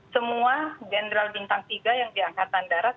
semua jenderal bintang tiga yang diangkatan darat